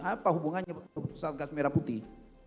apa hubungannya satgas merah putih